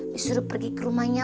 disuruh pergi ke rumahnya